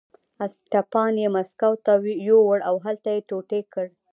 اسټپان یې مسکو ته یووړ او هلته یې ټوټې کړ.